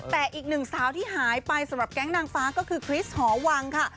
แต่อีกหนึ่งสาวที่หายไปสำหรับแก๊งนางฟ้าก็คือคริสหอวังค่ะ